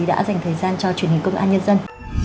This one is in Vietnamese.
đã dành thời gian cho truyền hình công an nhân dân